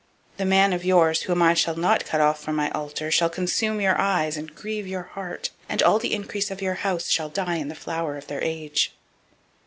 002:033 The man of yours, [whom] I shall not cut off from my altar, [shall be] to consume your eyes, and to grieve your heart; and all the increase of your house shall die in the flower of their age.